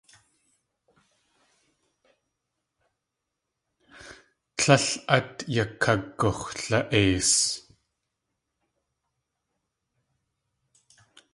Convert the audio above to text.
Tlél át yakagux̲la.eis.